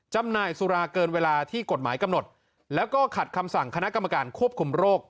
จำหน่ายสุราเกินเวลาที่กฎหมายกำหนดแล้วก็ขัดคำสั่งคณะกรรมการควบคุมโรค